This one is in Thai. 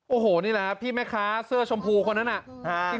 โอ้โหนี่แหละครับพี่แม่ค้าเสื้อชมพูคนนั้นน่ะ